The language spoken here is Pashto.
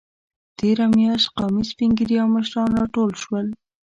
تېره میاشت قومي سپینږیري او مشران راټول شول.